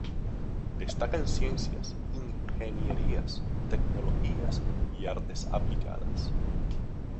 Destaca en Ciencias, Ingenierías, Tecnologías y Artes aplicadas.